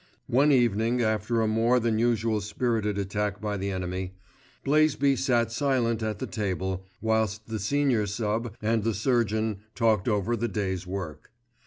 One evening, after a more than usually spirited attack by the enemy, Blaisby sat silent at the table, whilst the senior sub. and the surgeon talked over the day's work.